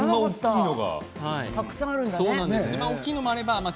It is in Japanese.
たくさんあるんだね。